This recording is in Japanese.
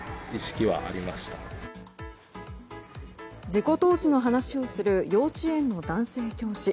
事故当時の話をする幼稚園の男性教師。